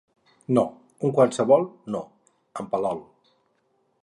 No, un qualsevol no, en Palol.